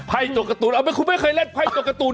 ไพ่ตัวการ์ตูนเอาเปล่าทำไมนายไม่เล่นไพ่ตัวการ์ตูน